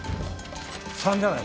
３じゃない。